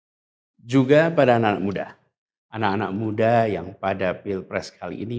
dan juga pada anak anak muda anak anak muda yang pada pilpres kali ini